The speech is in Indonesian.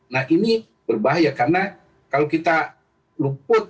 nah ini berbahaya karena kalau kita luput